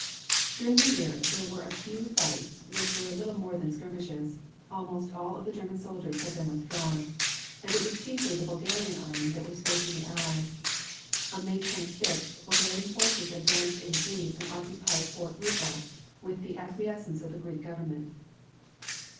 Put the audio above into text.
During the year there were a few fights which were little more than skirmishes; almost all of the German soldiers had been withdrawn, and it was chiefly the Bulgarian army that was facing the Allies. On May 26th Bulgarian forces advanced into Greece and occupied Fort Rupel, with the acquiescence of the Greek Government.